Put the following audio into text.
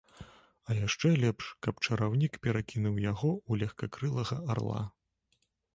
А яшчэ лепш, каб чараўнік перакінуў яго ў легкакрылага арла.